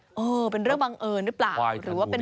เออเป็นเรื่องบังเอิญหรือเปล่าหรือว่าเป็น